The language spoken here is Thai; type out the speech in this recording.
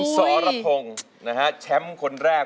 สรพงศ์นะฮะแชมป์คนแรก